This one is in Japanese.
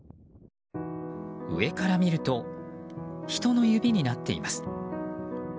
上から見ると人の指になっています。